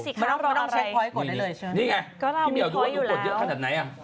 พี่เบียบดูว่าอย่างนี้กดเยอะขนาดไหนอ่ะ